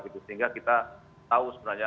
sehingga kita tahu sebenarnya